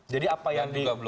jadi apa yang di